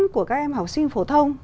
của các em học sinh phổ thông